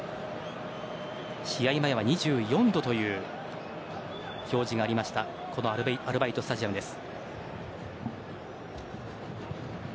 試合前は２４度という表示がありましたアルバイト・スタジアムです。